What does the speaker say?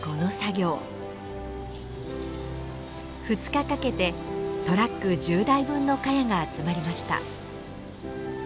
２日かけてトラック１０台分のカヤが集まりました。